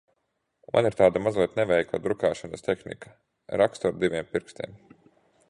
Man ir tāda mazliet neveikla drukāšanas tehnika – rakstu ar diviem pirkstiem.